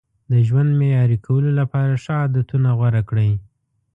د ژوند معیاري کولو لپاره ښه عادتونه غوره کړئ.